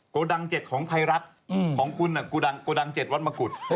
โกดังเจ็ดของไพรรักษ์ของคุณโกดังเจ็ดวัดมะกุฎ